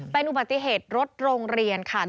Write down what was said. เป็นอุบัติเหตุรถโรงเรียนค่ะ